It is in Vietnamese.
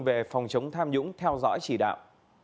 về phòng chống tham nhũng theo dõi chỉ đạo